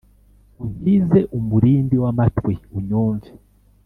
Untize umurindi w’amatwi unyumve